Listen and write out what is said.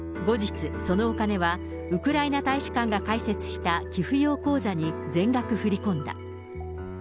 後日、そのお金はウクライナ大使館が開設した寄付用口座に全額振り込んだ。